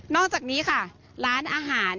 อกจากนี้ค่ะร้านอาหาร